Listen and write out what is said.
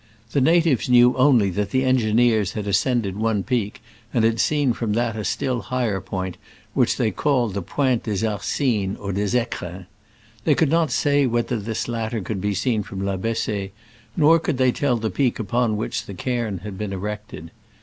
The natives knew only that the engineers had ascended one peak, and had seen from that a still higher point, which they called the Pointe des Arcines or des fecrins. They could not say whether this latter could be seen from La Bessee, nor could they tell the peak upon which the cairn had been erected.